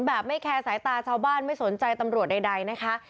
แบบไม่แคร์สายตาชาวบ้านไม่สนใจตำรวจใดนะคะ